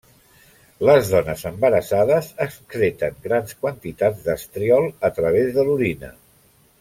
Les dones embarassades excreten grans quantitats d'estriol a través de l'orina.